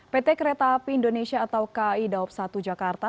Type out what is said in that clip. pt kereta api indonesia atau kai daob satu jakarta